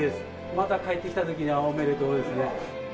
また帰ってきたときには、おめでとうですね。